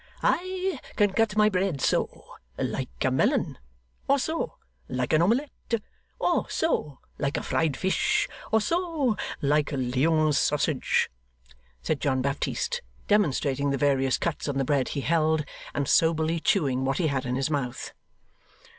'I can cut my bread so like a melon. Or so like an omelette. Or so like a fried fish. Or so like Lyons sausage,' said John Baptist, demonstrating the various cuts on the bread he held, and soberly chewing what he had in his mouth.